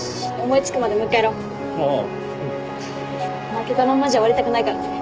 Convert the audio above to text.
負けたまんまじゃ終わりたくないからね。